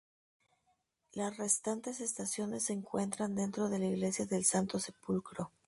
Las restantes estaciones se encuentran dentro de la Iglesia del Santo Sepulcro.